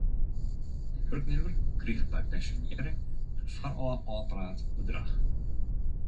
De wurknimmer kriget by pensjonearring in foarôf ôfpraat bedrach.